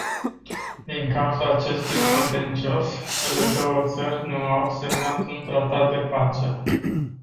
Din cauza acestui contencios, cele două țări nu au semnat un tratat de pace.